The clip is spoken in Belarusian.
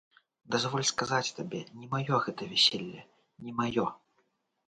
Дазволь сказаць табе, не маё гэта вяселле, не маё.